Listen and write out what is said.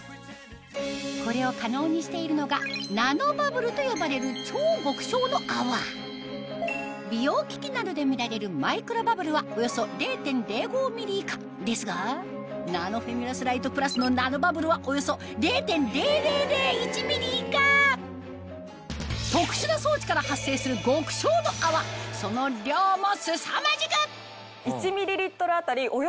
これを可能にしているのがナノバブルと呼ばれる超極小の泡美容機器などで見られるマイクロバブルはおよそ０．０５ミリ以下ですがナノフェミラスライトプラスのナノバブルはおよそ０．０００１ミリ以下特殊な装置から発生する極小の泡その量もすさまじく・